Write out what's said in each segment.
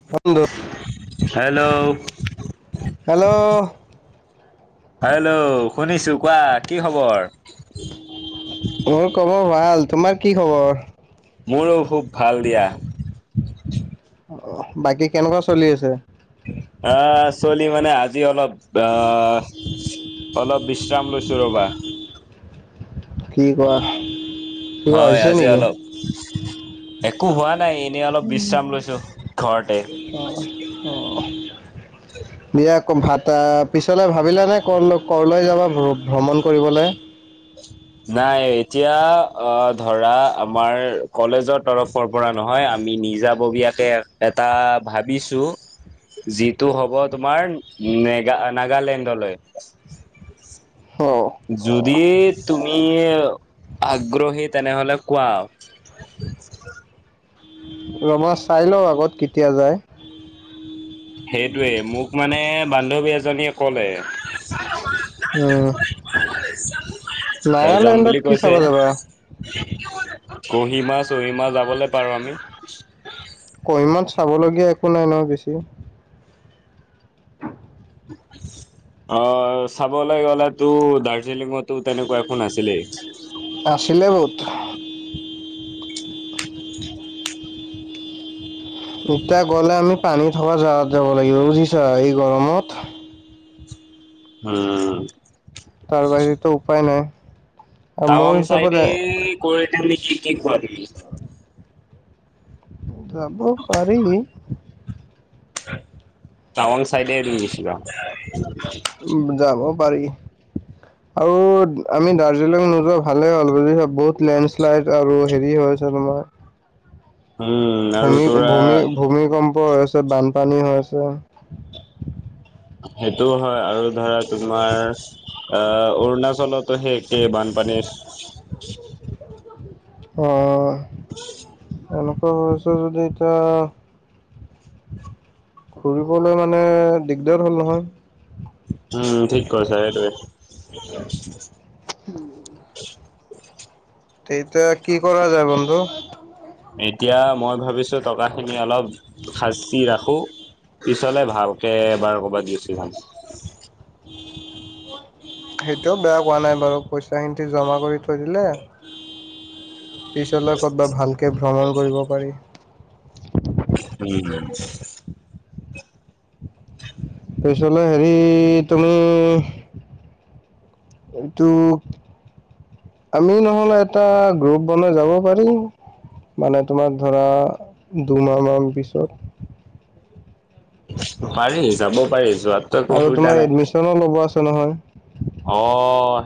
[unintelligible] Hello hello. Hello, শুনিছো কোৱা, কি খবৰ? মোৰ খবৰ ভাল, তোমাৰ কি খবৰ? মোৰো খুব ভাল দিয়া। অহ, বাকী কেনেকুৱা চলি আছে? আহ চলি মানে, আজি অলপ আহ অলপ বিশ্ৰাম লৈছো ৰ'বা। কি কোৱা? কিবা হয়, হৈছে আজি নেকি আলপ একো হোৱা নাই, এনেই অলপ বিশ্ৰাম লৈছো ঘৰতে। অহ। [unintelligible] ভাতা পিছলৈ ভাবিলানে, ক', ক'লৈ যাবা ভ্ৰ-ভ্ৰমণ কৰিবলৈ? নাই, এতিয়া অ', ধৰা আমাৰ কলেজৰ তৰফৰ পৰা নহয়, আমি নিজাববীয়াকে এটা ভাবিছো। যিটো হ'ব তোমাৰ নেগা, নাগালেণ্ডলৈ। হ। যদি তুম তুমি আগ্ৰহী তেনেহ'লে কোৱা? [inaudible] ৰ'বা, চাই লও আগত কেতিয়া যায়। সেইটোৱেই, মোক মানে বান্ধৱী এজনীয়ে ক'লে। উম, নাগালেণ্ডত কি চাব যাবা? কহিমা-চহিমা যাবলৈ পাৰোঁ আমি। কহিমাত চাবলগীয়া একো নাই ন' বেছি। [inaudible] [inaudible] অ', চাবলৈ গ'লেতো দাৰ্জিলিঙতো তেনেকুৱা একো নাছিলেই। আছিলে বহুত। এতিয়া গ'লে আমি পানী থকা জাগাত যাব লাগিব বুজিছা? এই গৰমত। হুম। তাৰ বাহিৰেতো উপায় নাই। আৰু টাৱাং মোৰ চাইডে হিচাপত কৰি দিওঁ নেকি, কি কোৱা তুমি? যাব পাৰি। টাৱাং চাইডে। [unintelligible] উম, যাব পাৰি। আৰু আমি দাৰ্জিলিং নোযোৱা ভালে হ'ল বুজিছ। বহুত লেণ্ডশ্লাইড আৰু হেৰি হৈ ছে তোমাৰ। হুম। ভূমি- ভূমি- ভূমিকম্প হৈ আছে, বানপানী হৈ আছে। সেইটোও হয় আৰু ধৰা তোমাৰ অ অৰুণাচলতো সেই একে, বানপানী অ' [inaudible] এনেকুৱা হৈ আছে যদি এতিয়া ঘুৰিবলৈ মানে দিগদাৰ হ'ল নহয়। উম, ঠিক কৈছা এইটোৱে। তে এতিয়া কি কৰা যায় বন্ধু? এতিয়া মই ভাবিছোঁ টকাখিনি অলপ সাচি ৰাখোঁ। পিছলে ভালকে এবাৰ ক'বাত গুচি যাম। [unintelligible] সেইটোও বেয়া কোৱা নাই বাৰু, পইচাখিনি জমা কৰি থৈ দিলে পিছলৈ ক'তবা ভালকে ভ্ৰমণ কৰিব পাৰি। উম। পিছলৈ হেৰি তুমি এইটো আমি নহ'লে এটা গ্ৰুপ বনাই যাব পাৰিম। মানে তোমাৰ ধৰা, দুমাহমান পিছত। পাৰি, যাব পাৰি। যোৱাতটো একো আৰু অসুবিধা তোমাৰ নাই। এডমিছনো ল'ব আছে নহয়। অ,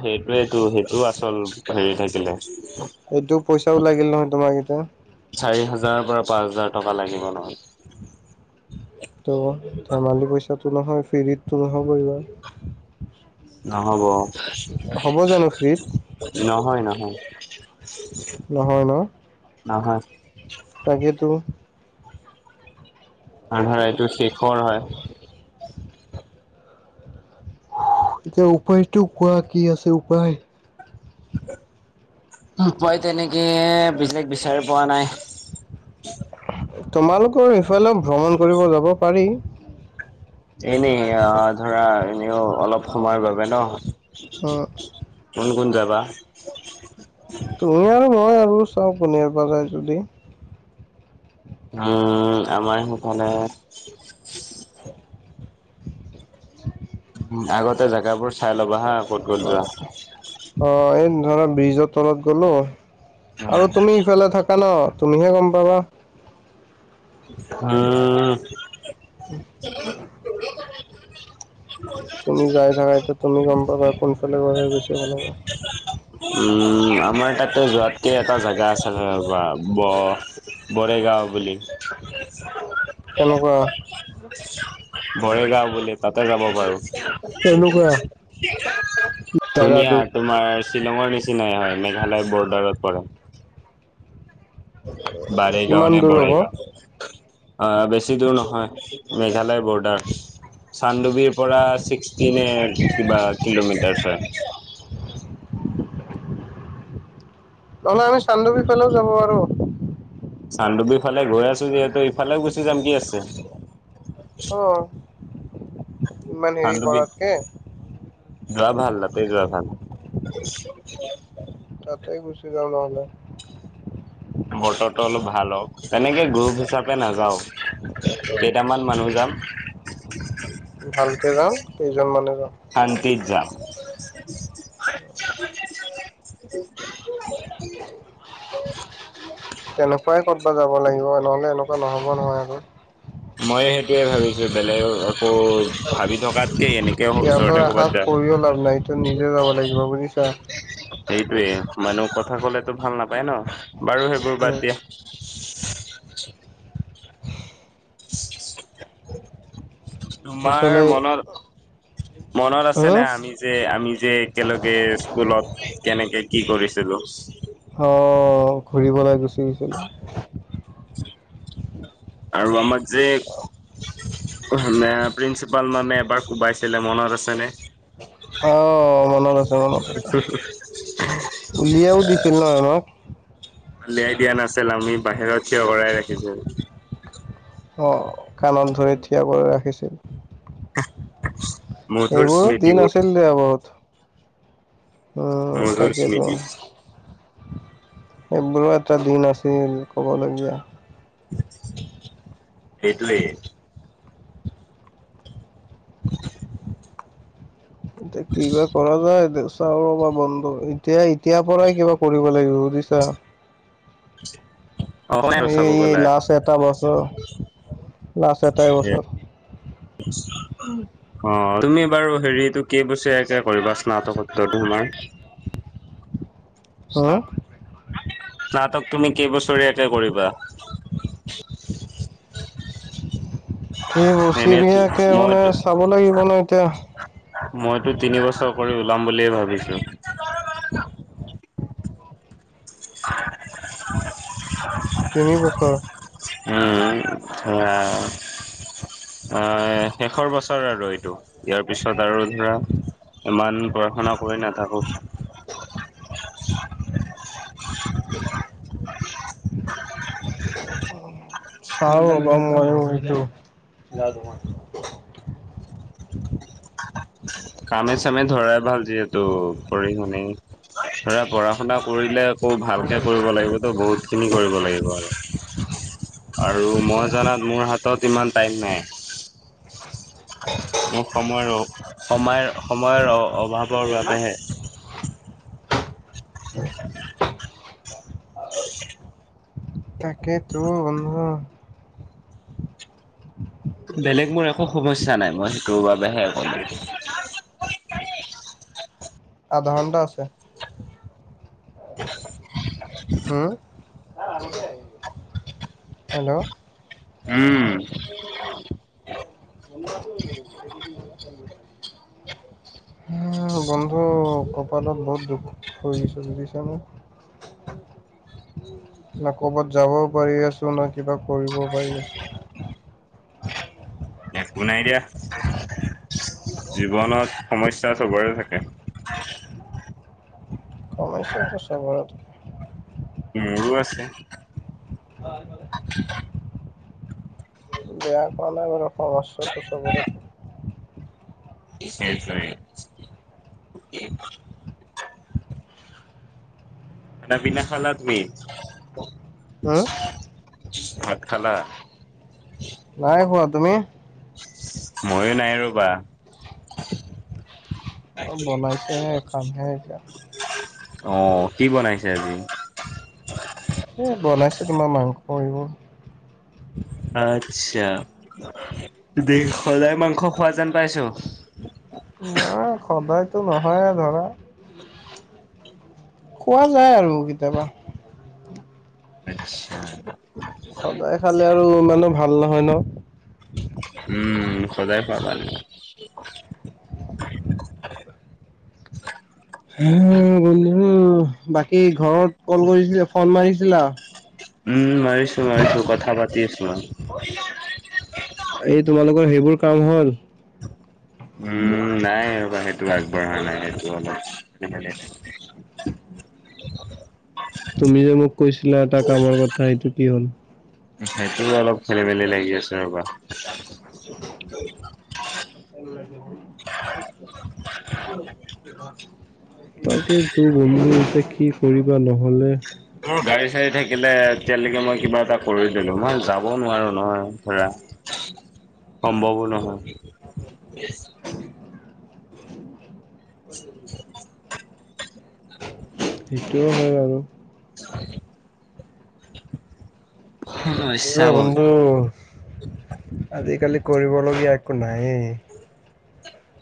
সেইটোৱেটো, সেইটো আচল হেৰি থাকিলে। সেইটো পইচাও লাগিল নহয় তোমাক এতিয়া। চাৰি হাজাৰৰ পৰা পাঁচ হাজাৰ টকা লাগিব নহয়। টোও ধেমালি পইচাতো নহয়, ফিৰিততো নহ'ব এইবাৰ। নহ'ব। হ'ব জানো ফ্ৰীত নহয়-নহয়। নহয় ন'? নহয়। তাকেতো আধা এইটো শিখৰ হয় [unintelligible] এতিয়া উপায়টো কোৱা কি আছে উপায় উপায় তেনেকে বেলেগ বিচাৰি পোৱা নাই তোমালোকৰ সেইফালেও ভ্ৰমণ কৰিব যাব পাৰি এনে অ ধৰা এনেও অলপ সময় বাবে উম ন তোমালোক কত যাবা তুমি আৰু মই আৰু চাওঁ কোনোবা যায় যদি উম উম আমাৰ সেইফালে [unintelligible] আগতে জেগাবোৰ চাই ল'বা হা ক'ত ক'ত যোৱা অ এই ধৰা ব্ৰিজৰ তলত গলো আৰু তুমি ইফালে থাক কা ন তুমিহে গম পাবা হম উম হু তুমি যাই থাকা এইটো তুমি গম পাবা কোনফালে গ'লে বেছি ভাল হ'ব উম উম আমাৰ তাতে যোৱাকৈ এটা জেগা আছে ৰবা ব বৰেগাঁও বুলি কেনেকুৱা বৰেগাওঁ বুলি কয় তাতে যাব পাৰো কেনেকুৱা ধুনীয়া জাগাটো তোমাৰ শ্বিলঙৰ নিচিনাই হয় মেঘালয় বৰ্ডাৰ পৰে বাৰেগাঁও কিমান নে দূৰ হ'ব বৰেগাঁও অ বেছি দূৰ নহয়, মেঘালয় বৰ্ডাৰ চানডুবিৰ পৰা ছিক্সটি নে কিবা কিলোমিটাৰ হয় নহ'লে আমি চানডুবিৰ ফালেও যাব পাৰো চানডুবিৰ ফালে গৈ আছো যিহেতু ইফালেও গুচি যাম কি আছে অ ইমান হেৰি চানডুবিত কৰাতকে যোৱা ভাল, তাতে যোৱা ভাল তাতেই গুচি যাওঁ নহ'লে বতৰটো অলপ ভাল হওক তেনেকে গ্ৰুপ হিচাপে নাযাওঁ কেইটামান মানুহ যাম ভালকে যাম কেইজন মানে যাও শান্তিত যাম [unintelligible] তেনেকুৱাই কতবা যাব লাগিব নহলে এনেকুৱা নহব নহয় আকৌ মই সেইটোৱে ভাবিছোঁ বেলেগক আকৌ ভাবি থকাতকে এনেকে ইহতৰ ওচৰতে আশা কৰ'বাত যাম কৰিও লাভ নাই এইটো নিজে যাব লাগিব বুজিছা [unintelligible] এইটোৱে মানুহ কথা কলেতো ভাল নাপায় ন বাৰু সেইবোৰ উম, বাদ দিয়া হ তোমাৰ পিছলে মনত মনত হা আছেনে আমি যে আমি যে একেলগে স্কুলত কেনেকে কি কৰিছিলোঁ অহ ঘূৰিবলে গুচি গৈছিলোঁ। আৰু আমাৰ যেক অ সেনে প্ৰিন্সিপালে মানে এবাৰ কোবাইছিলে মনত আছেনে? অ' মনত আছে মনত আছে উলিয়াইও দিছিল ন আমাক। উলিয়াই দিয়া নাছিল আমি বাহিৰত থিয় কৰাই ৰাখিছিল। অ' কাণত ধৰি থিয় কৰাই ৰাখিছিল। মধুৰ এইবোৰো দিন স্মৃতিবোৰ আছিল দেয়া বহুত। উম' মধুৰ তাকেইতো। স্মৃতি এইবোৰো এটা দিন আছিল ক'বলগীয়া। সেইটোৱেই। [unintelligible] এতিয়া কি বা কৰা যায় দুচ চাওঁ ৰবা বন্ধু এতিয়া এতিয়াৰ পৰাই কিবা কৰিব লাগিব বুজিছা। অসমীয়া আৰু চাব এই গ'লে লাষ্ট এটা বছৰ লাষ্ট এটাই বছৰ। [unintelligible] অ' তুমি বাৰু হেৰিটো কে বছৰিয়াকে কৰিবা স্নাতকোত্তৰটো তোমাৰ? হম। স্নাতক স্নাতক তুমি কেইবছৰীয়াকে কৰিবা? [unintelligible] কেই এনে বছৰিয়াকে মানে মইতো চাব লাগিব ন এতিয়া মইতো তিনি বছৰ কৰি ওলাম বুলিয়ে ভাবিছোঁ। [unintelligible] তিনি বছৰ উম' ধৰা এ শেষৰ বছৰ আৰু এইটো। ইয়াৰ পিছত আৰু ধৰা ইমান পঢ়া-শুনা কৰি নাথাকোঁ। [unintelligible] চাও ৰ'বা মইয়ো সেইটো [unintelligible] কামে চামে ধৰাই ভাল যিহেতু পঢ়ি-শুনি ধৰা পঢ়া-শুনা কৰিলে আকৌ ভালকে কৰিব লাগিবতো বহুতখিনি কৰিব লাগিব আৰু। [unintelligible] আৰু মই জনাত মোৰ হাতত ইমান টাইম নাই। মোৰ সময় ৰস সময় সময়ৰ অভাৱৰ বাবেহে তাকেইতো [unintelligible] বেলেগ মোৰ একো সমস্যা নাই মই সেইটোৰ বাবেহে ক'লো আধা ঘন্টা আছে হুউম হেল্ল' উম [unintelligible] অ অ বন্ধু কপালত বহুত দুখ হৈ গৈছে বুজিছানে? না কবাত যাবও পাৰি আছো না কিবা কৰিব পাৰি আছো। একো নাই দিয়া। জীৱনত সমস্যা চবৰে থাকে। সময় চাই কষ্ট কৰক মোৰো আছে। ভাল মাল [inaudible] বেয়া কোৱা নাই বাৰু। সমস্যাটো চবৰে থাকে। [unintelligible] খানা, পিনা খালা তুমি? হম ভাত খালা? নাই খোৱা। তুমি? ময়ো নাই ৰ' বা। অ বনাইছেহে খামহে এতিয়া অ কি বনাইছে আজি? এ, বনাইছে তোমাৰ মাংস, এইবোৰ। আচ্ছা। দে সদায় মাংস খোৱা যেন পাইছো। নাই। সদায়তো নহয়ে ধৰা। খোৱা যায় আৰু কেতিয়াবা। আচ্ছা। সদায় খালে আৰু ইমানো ভাল নহয় ন। উম, সদায় পাবা নে? উম, বন্ধু বাকী ঘৰত কল কৰিছিলে। ফোন মাৰিছিলা? উম মাৰিছো, মাৰিছোঁ। কথা পাতি আছো মই। এই তোমালোকৰ সেইবোৰ কাম হ'ল? উম, নাই। ৰবা হে। সটো আগবঢ়া নাই সেইটো অলপ [unintelligible] তুমি যে মোক কৈছিলা এটা কামৰ কথা সেইটো কি হ'ল? সেইটো অলপ খেলি, মেলি লাগি আছে ৰবা [inaudible] [unintelligible] তাকে তো বন্ধু এতিয়া কি কৰিবা নহলে? মোৰ গাড়ী -চাড়ী থাকিলে এতিয়ালৈকে মই কিবা এটা কৰি দিলো মই যাব নোৱাৰো নহয় ধৰা। [inaudible] সমম্ভৱো নহয়। [inaudible] সেইটো হয় বাৰু। [inaudible] কি কৰো ইচ্ছা বহুত। বন্ধু? আজিকালি কৰিবলগীয়া একো নায়েই।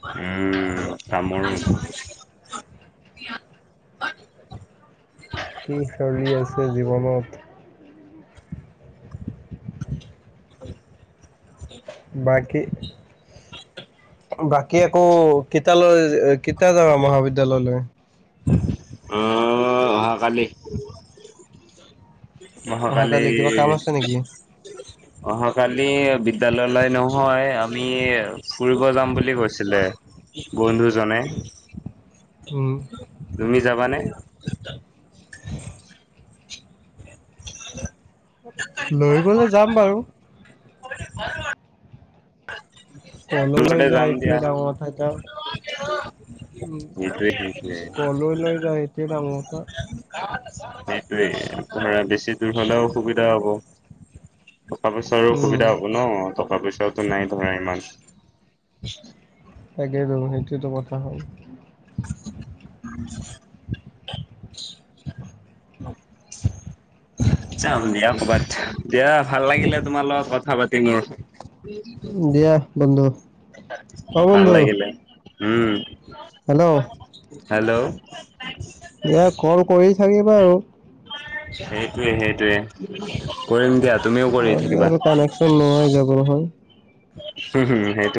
উম, তামোল কি চলি আছে জীৱনত? [inaudible] বাকী বাকী আকৌ কিতালৈ কেতা যাবা মহাবিদ্যয়ালয়লৈ? ওম, অহা কালি। অহা কালি কিবা কাম আছে নেকি? অহা কালি বিদ্যালয়লৈ নহয়, আমি ফুৰিব যাম বুলি কৈছিলে। বন্ধুজনে। উম। তুমি যাবানে? [inaudible] [inaudible] লৈ গ'লে যাম বাৰু। কলৈ লৈ মুঠতে যায় যাম দিয়া এইটোয়ে ডাঙৰ কথা এতিয়া। উম', সেইটোৱে সেইটোৱে কলৈ লৈ যায় এইটোৱে ডাঙৰ কথা। সেইটোৱে, ধৰা বেছি দূৰ হ'লেও অসুবিধা হ'ব। টকা পইচাৰো উম অসুবিধা হ'ব ন, টকা পইচাওটো নাই ধৰা ইমান। তাকেইটো, সেইটোৱেইটো কথা হ'ল। [inaudible] যাম দিয়া ক'ৰবাত, দিয়া ভাল লাগিলে তোমাৰ কথা পাতি। মোৰ দিয়া বন্ধু। অ ভাল বন্ধু লাগিলে, ওম', হেল্ল' হেল্লোঁ? দিয়া কল কৰি থাকিবা আৰু। সেইটোৱে, সেইটোৱে, কৰিম দিয়া। তুমিও কৰি ন'হলে থাকিবা। আৰু কানেকশ্যন নোহোৱা হৈ যাব নহয়। হুম', হু', সেইটো